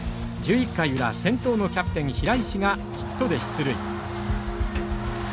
１１回裏先頭のキャプテン平石がヒットで出塁。